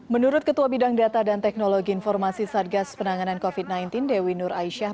menurut ketua bidang data dan teknologi informasi satgas penanganan covid sembilan belas dewi nur aisyah